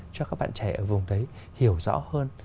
cho các bạn trẻ ở vùng đấy hiểu rõ hơn